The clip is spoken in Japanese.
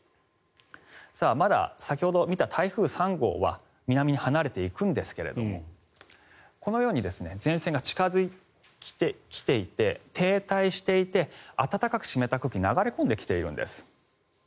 まだ、先ほど見た台風３号は南に離れていくんですがこのように前線が近付いてきていて停滞していて暖かく湿った空気が流れ込んできているんです。